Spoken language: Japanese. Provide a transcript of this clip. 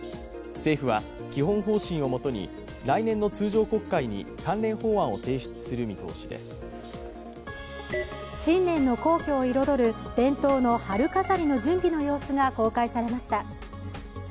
政府は基本方針をもとに来年の通常国会に新年の皇居を彩る伝統の春飾りの準備の様子が公開されました。